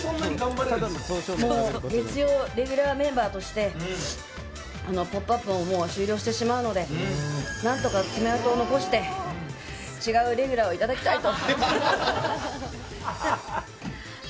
月曜レギュラーメンバーとして「ポップＵＰ！」がもう終了してしまうので何とか爪痕を残して違うレギュラーをいただきたいと。